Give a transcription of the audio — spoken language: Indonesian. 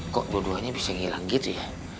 kok dua duanya bisa ngilang gitu ya